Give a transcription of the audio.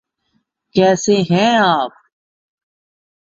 کیسے ہیں آپ؟